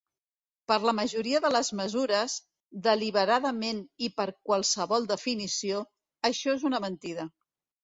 Per la majoria de les mesures, deliberadament i per qualsevol definició, això és una mentida.